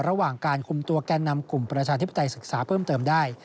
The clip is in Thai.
ระหว่างการคุมตัวแก่นำกลุ่มประชาธิปไตยศึกษาเพิ่มเติมได้